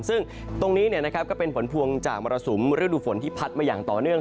ซึ่งตรงนี้ก็เป็นผลพวงจากมรสุมฤดูฝนที่พัดมาอย่างต่อเนื่อง